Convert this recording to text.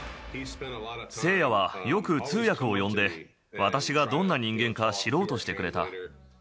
誠也はよく通訳を呼んで、私がどんな人間か知ろうとしてくれた。